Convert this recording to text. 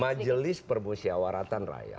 majelis permusyawaratan rakyat